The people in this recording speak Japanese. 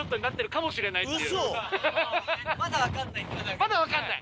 まだ分かんない。